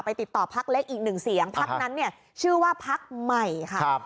ติดต่อพักเล็กอีกหนึ่งเสียงพักนั้นเนี่ยชื่อว่าพักใหม่ค่ะ